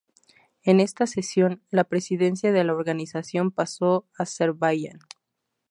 En esta sesión, la presidencia de la Organización pasó a Azerbaiyán.